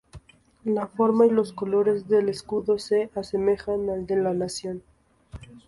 La forma y los colores del escudo se asemejan al de la nación.